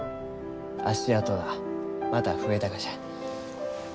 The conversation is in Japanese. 足跡がまた増えたがじゃ。